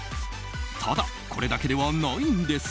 ただ、これだけではないんです。